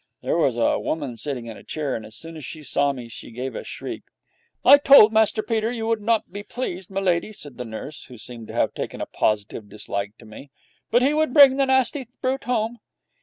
There was a woman sitting in a chair, and as soon as she saw me she gave a shriek. 'I told Master Peter you would not be pleased, m'lady,' said the nurse, who seemed to have taken a positive dislike to me, 'but he would bring the nasty brute home.'